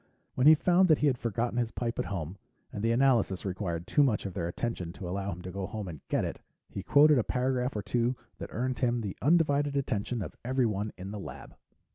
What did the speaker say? When he found that he had forgotten his pipe at home, and the analysis required too much of their attention to allow him to go home and get it, he quoted a paragraph or two that earned him the undivided attention of everyone in the lab.